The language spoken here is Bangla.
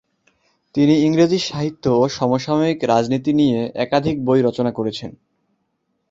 তিনি ইংরেজি সাহিত্য ও সমসাময়িক রাজনীতি নিয়ে একাধিক বই রচনা করেছেন।